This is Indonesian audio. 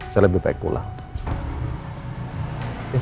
saya lebih baik pulang